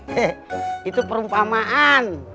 he itu perumpamaan